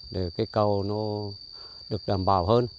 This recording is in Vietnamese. để cây cầu được đảm bảo